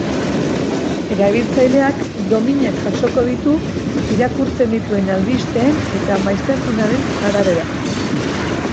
Erabiltzaileak dominak jasoko ditu irakurtzen dituen albisteen eta maiztasunaren arabera.